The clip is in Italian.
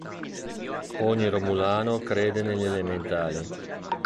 Ogni romulano crede negli "elementali".